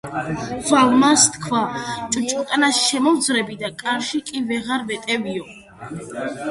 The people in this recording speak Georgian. ვალმა სთქვა: ჭუჭრუტანაში შემოვძვრები და კარებში კი ვეღარ გავეტევიო.